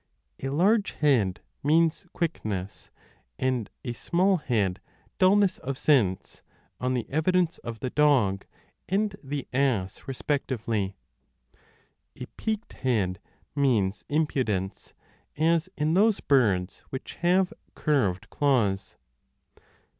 A large head means quickness and a small head dullness of sense, on the evidence of the dog and the ass respectively. A peaked head means impudence, as in those birds which have curved claws.